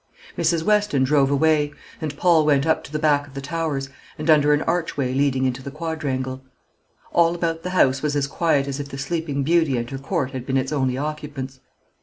Mrs. Weston drove away; and Paul went up to the back of the Towers, and under an archway leading into the quadrangle. All about the house was as quiet as if the Sleeping Beauty and her court had been its only occupants.